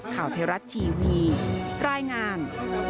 ข่าวไทยรัฐทีวีรายงาน